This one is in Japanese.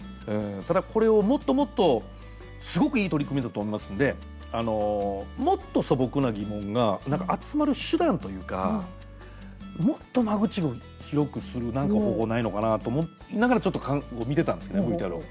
ただ、これをもっともっとすごくいい取り組みだと思いますのでもっと素朴な疑問が集まる手段というかもっと間口を広くするなんか方法ないのかなと思いながら、ちょっと見てたんですけどＶＴＲを。